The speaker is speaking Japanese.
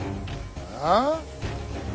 ああ？